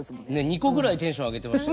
２個ぐらいテンション上げてました。